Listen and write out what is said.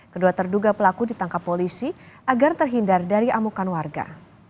kedua terduga pelaku ditangkap polisi agar terhindar dari amukan warga